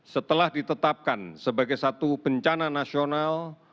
setelah ditetapkan sebagai satu bencana nasional